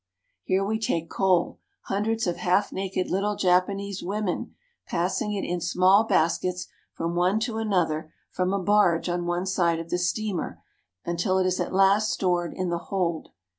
Here we take coal, hundreds of half naked little Japanese women passing it in small baskets from one 94 KOREA to another from a barge on one side of the steamer, until it is at last stored in the hold.